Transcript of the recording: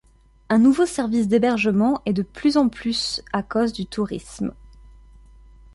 Un nouveau service d'hébergement est de plus en plus à cause du tourisme.